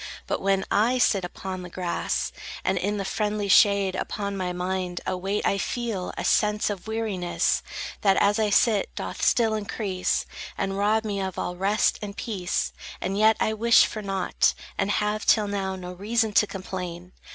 But when I sit upon the grass And in the friendly shade, upon my mind A weight I feel, a sense of weariness, That, as I sit, doth still increase And rob me of all rest and peace. And yet I wish for nought, And have, till now, no reason to complain.